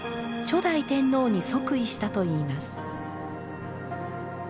初代天皇に即位したといいます。